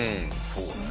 そうね。